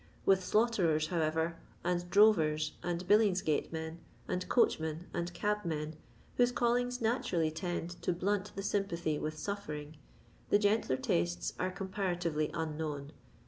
With slaughterers, however, and drovers, and Billingsgatemen, and coachmen, and cabmen, whose callings naturally tend to blunt the sympathy with suffering, the gentler tastes are comparatively unknown.